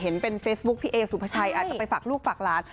เห็นเป็นเฟซบุ๊คพี่เอสุภาชัยอาจจะไปฝากลูกฝากหลาน